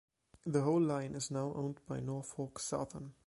The whole line is now owned by Norfolk Southern.